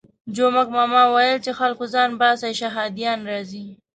جومک ماما ویل چې خلکو ځان باسئ شهادیان راځي.